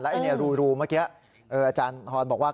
อันนี้รูเมื่อกี้อาจารย์ทรบอกว่า